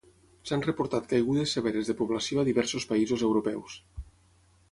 S'han reportat caigudes severes de població a diversos països europeus.